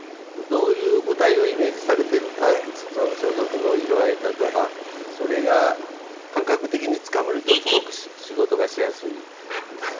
どういう舞台をイメージされてるかって装束の色合いだとかそれが感覚的につかめるとすごく仕事がしやすいです